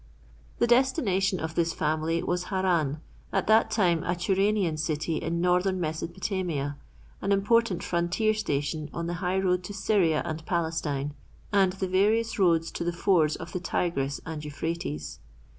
The destination of this family was Haran, at that time a Turanian city in northern Mesopotamia, an important frontier station on the high road to Syria and Palestine, and the various roads to the fords of the Tigris and Euphrates.